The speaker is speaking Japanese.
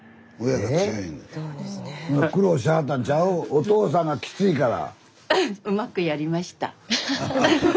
⁉おとうさんがきついから。